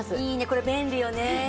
これ便利よね。